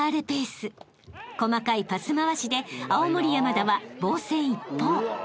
［細かいパス回しで青森山田は防戦一方］